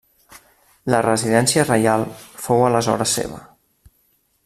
La residència reial fou aleshores Seva.